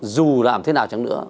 dù làm thế nào chẳng nữa